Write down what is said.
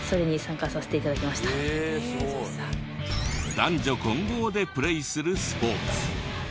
男女混合でプレーするスポーツ。